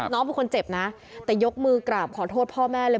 น้องเป็นคนเจ็บนะแต่ยกมือกราบขอโทษพ่อแม่เลย